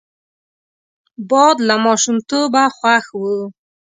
باد له ماشومتوبه خوښ وو